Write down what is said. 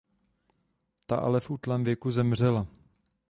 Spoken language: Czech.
Ta ale v útlém věku zemřela.